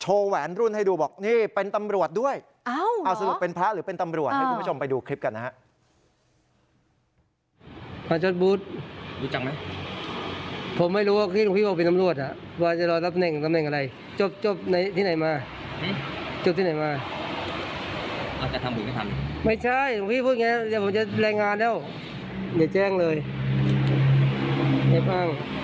โชว์แหวนรุ่นให้ดูบอกนี่เป็นตำรวจด้วยให้ผ้าหรือเป็นตำรวจให้คุณผู้ชมไปดูคลิปกันนะฮะ